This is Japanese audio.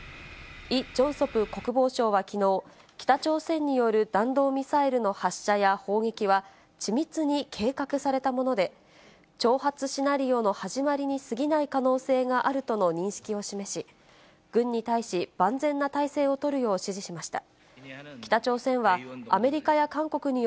イ・ジョンソプ国防相はきのう、北朝鮮による弾道ミサイルの発射や砲撃は、緻密に計画されたもので、挑発シナリオの始まりにすぎない可能性があるとの認識を示し、軍に対し、万全な態勢を取るよう指示しました。